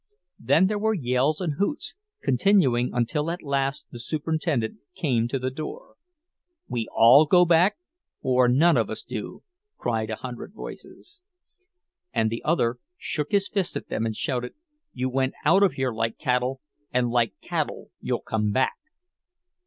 Then there were yells and hoots, continuing until at last the superintendent came to the door. "We all go back or none of us do!" cried a hundred voices. And the other shook his fist at them, and shouted, "You went out of here like cattle, and like cattle you'll come back!"